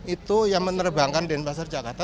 itu yang menerbangkan denpasar jakarta